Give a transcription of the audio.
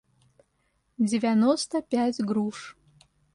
девяносто пять груш